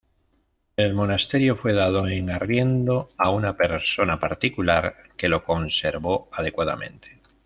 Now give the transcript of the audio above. El monasterio fue dado en arriendo a una persona particular que lo conservó adecuadamente.